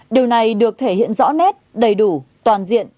điều này được thể hiện rõ nét đầy đủ toàn diện